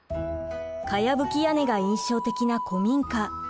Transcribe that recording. かやぶき屋根が印象的な古民家。